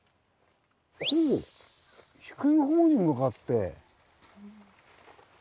こう低いほうに向かって。